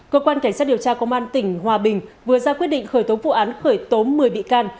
cơ quan cảnh sát điều tra công an tỉnh hòa bình vừa ra quyết định khởi tố vụ án khởi tố một mươi bị can